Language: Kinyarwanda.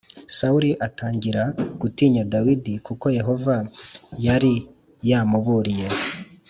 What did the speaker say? Sawuli atangira gutinya Dawidi kuko Yehova yari yamuburiye